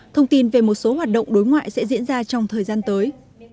thông tin về một số hoạt động đối ngoại sẽ diễn ra trong thời gian tới